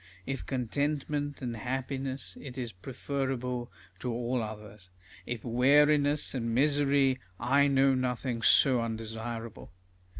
If contentment and happiness, it is preferable to all others ; if weariness and misery, I know nothing so undesirable.